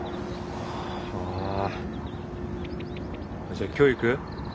じゃあ今日行く？